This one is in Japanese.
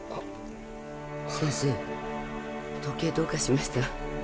・先生時計どうかしました？